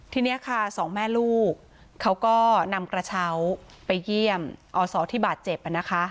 ทีนี้ค่ะสองแม่ลูกเขาก็นำกระเช้าไปเยี่ยมอศที่บาดเจ็บนะคะ